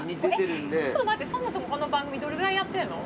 ちょっと待ってそもそもこの番組どれぐらいやってんの？